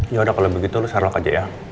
yaudah kalau begitu lo serok aja ya